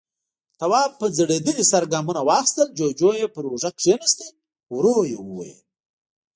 تواب په ځړېدلي سر ګامونه واخيستل، جُوجُو يې پر اوږه کېناست، ورو يې وويل: